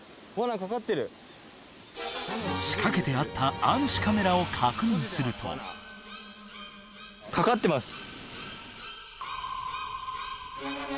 仕掛けてあった暗視カメラを確認するとかかってます